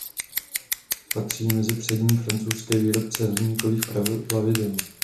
Patří mezi přední francouzské výrobce hliníkových plavidel.